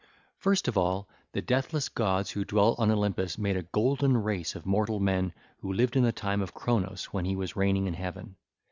(ll. 109 120) First of all the deathless gods who dwell on Olympus made a golden race of mortal men who lived in the time of Cronos when he was reigning in heaven.